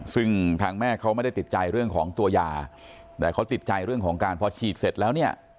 ซึ่งทางแม่เขาไม่ได้ติดใจเรื่องของตัวยาแต่เขาติดใจเรื่องของการพอฉีดเสร็จแล้วเนี่ย